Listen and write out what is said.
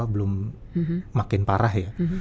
belum makin parah ya